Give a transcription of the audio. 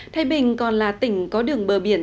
thái bình còn là tỉnh có đường bờ biển